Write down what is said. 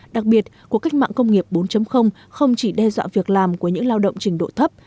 đặc biệt cuộc cách mạng công nghiệp bốn không chỉ đe dọa việc làm của những lao động trình độ thấp